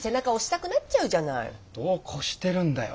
度を越してるんだよ。